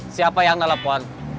siapa yang nelfon